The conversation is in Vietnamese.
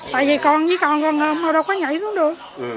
tại vì con với con con đâu có nhảy xuống được